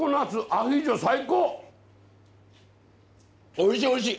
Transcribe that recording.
おいしいおいしい。